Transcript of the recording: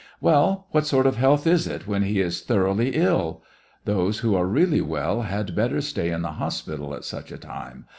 " Well, ,what sort of health is it when he is thor oughly ill ! Those who are really well had better stay in the hospital at such a time.